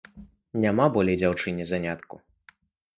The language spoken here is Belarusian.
Няма болей дзяўчыне занятку.